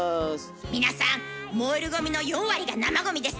皆さん燃えるゴミの４割が生ゴミです。